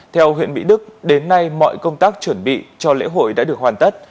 theo huyện mỹ đức đến nay mọi công tác chuẩn bị cho lễ hội đã được hoàn tất